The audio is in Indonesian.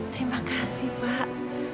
terima kasih pak